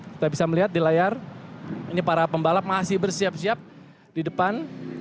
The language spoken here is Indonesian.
kita bisa melihat di layar ini para pembalap masih bersiap siap di depan